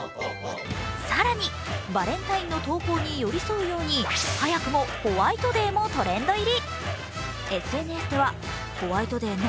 更にバレンタインの投稿に寄り添うように早くもホワイトデーもトレンド入り。